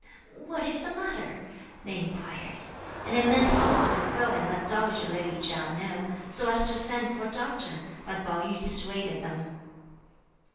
"What is the matter?" they inquired, and they meant also to go and let dowager lady Chia know, so as to send for a doctor, but Pao yü dissuaded them.